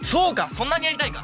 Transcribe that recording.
そんなにやりたいか。